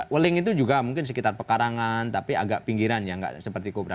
welling itu juga mungkin sekitar pekarangan tapi agak pinggiran ya nggak seperti kobra